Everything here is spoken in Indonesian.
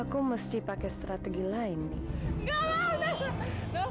aku mesti pakai strategi lain nih